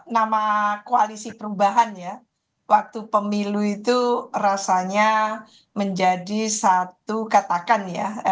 nama koalisi perubahan ya waktu pemilu itu rasanya menjadi satu katakan ya